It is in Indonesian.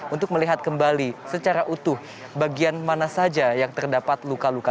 untuk melihat kembali secara utuh bagian mana saja yang terdapat luka luka